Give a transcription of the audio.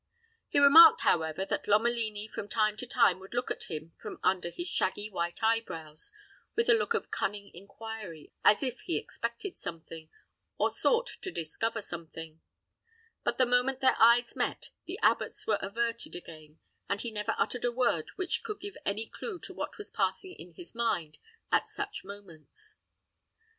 He remarked, however, that Lomelini from time to time would look at him from under his shaggy white eyebrows with a look of cunning inquiry, as if he expected something, or sought to discover something; but the moment their eyes met, the abbot's were averted again, and he never uttered a word which could give any clue to what was passing in his mind at such moments.